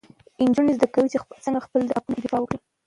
نجونې زده کوي چې څنګه د خپلو حقونو دفاع وکړي.